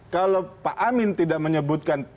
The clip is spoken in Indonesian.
kalau pak amin tidak menyebutkan